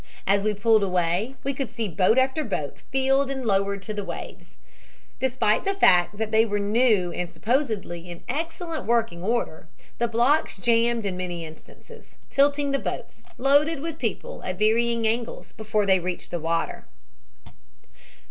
As we pulled away we could see boat after boat filled and lowered to the waves. Despite the fact that they were new and supposedly in excellent working order, the blocks jammed in many instances, tilting the boats, loaded with people, at varying angles before they reached the water.